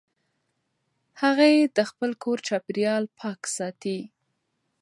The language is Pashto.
هغې د خپل کور چاپېریال پاک ساتي.